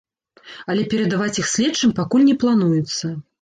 Але перадаваць іх следчым пакуль не плануецца.